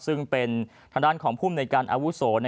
ซึ่งเป็นทางด้านของภูมิในการอาวุโส